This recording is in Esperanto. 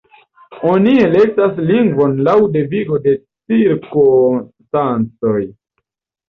Oni elektas lingvon laŭ devigo de cirkonstancoj.